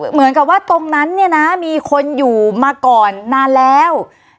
เหมือนกับว่าตรงนั้นเนี่ยนะมีคนอยู่มาก่อนนานแล้ว